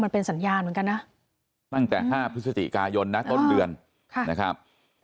เป็นสัญญาณเหมือนกันนะตั้งแต่๕พฤศจิกายนนะต้นเดือนนะครับ